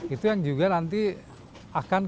itu yang juga nanti akan